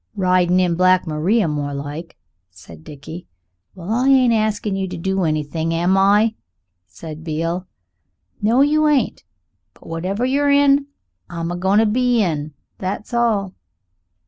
"Ridin' in Black Maria, more like," said Dickie. "Well, I ain't askin' you to do anything, am I?" said Beale. "No! you ain't. But whatever you're in, I'm a goin' to be in, that's all."